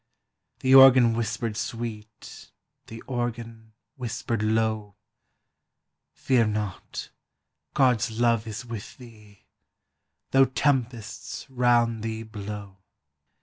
The organ whispered sweet, The organ whispered low, " Fear not, God's love is with thee, Though tempests round thee blow